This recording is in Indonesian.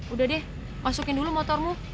udah deh masukin dulu motormu